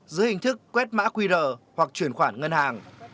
dưới hình thức quét mã qr hoặc chuyển khoản ngân hàng